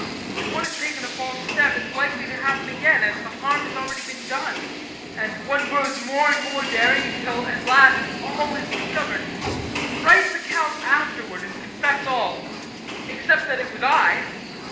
If one has taken a false step it's likely to happen again as the harm has already been done, and one grows more and more daring until at last all is discovered. Write the Count afterward and confess all except that it was I.